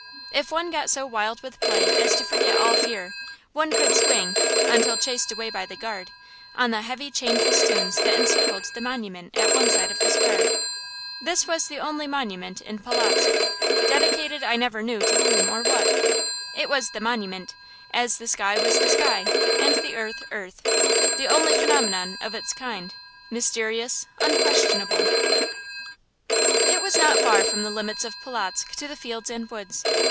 If one got so wild with play as to forget all fear, one could swing, until chased away by the guard, on the heavy chain festoons that encircled the monument at one side of the square. This was the only monument in Polotzk, dedicated I never knew to whom or what. It was the monument, as the sky was the sky, and the earth, earth: the only phenomenon of its kind, mysterious, unquestionable. It was not far from the limits of Polotzk to the fields and woods.